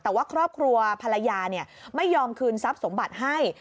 แต่ว่าครอบครัวภรรยาไม่ยอมคืนทรัพย์สมบัติให้